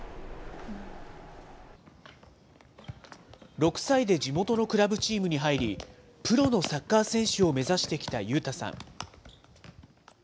６歳で地元のクラブチームに入り、プロのサッカー選手を目指してきた勇太さん。